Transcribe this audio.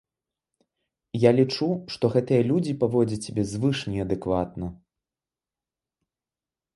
Я лічу, што гэтыя людзі паводзяць сябе звышнеадэкватна.